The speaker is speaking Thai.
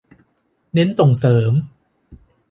เน้นส่งเสริม